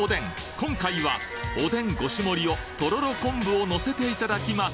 今回はおでん５種盛りをとろろ昆布をのせていただきます